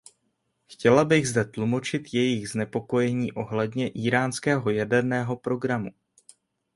Chtěla bych zde tlumočit jejich znepokojení ohledně íránského jaderného programu.